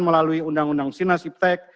melalui undang undang sina siptec